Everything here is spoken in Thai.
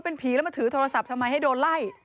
เป็นผีแล้วมาถือโทรศัพท์ทำไมให้โดนไล่